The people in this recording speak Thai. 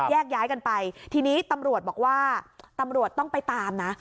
แยกย้ายกันไปทีนี้ตำรวจบอกว่าตำรวจต้องไปตามนะ